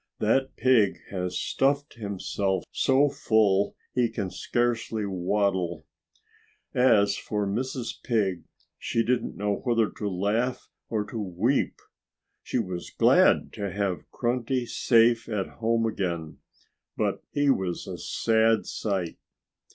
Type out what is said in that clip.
"That pig has stuffed himself so full he can scarcely waddle." As for Mrs. Pig, she didn't know whether to laugh or to weep. She was glad to have Grunty safe at home again; but he was a sad sight.